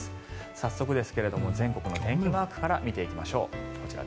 早速ですが全国の天気マークから見ていきましょう。